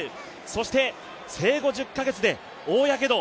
そして、生後１０カ月で大やけど